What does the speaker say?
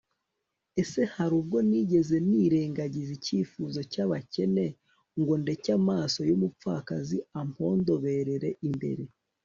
ese hari ubwo nigeze nirengagiza icyifuzo cy'abakene, ngo ndeke amaso y'umupfakazi ampondoberera imbere